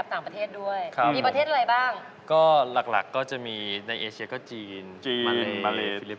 วันนี้ต้องขอบคุณมากค่ะขอบคุณมากเลย